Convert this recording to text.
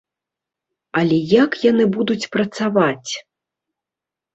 Але як яны будуць працаваць?